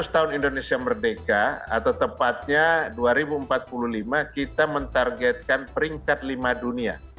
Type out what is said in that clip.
lima belas tahun indonesia merdeka atau tepatnya dua ribu empat puluh lima kita mentargetkan peringkat lima dunia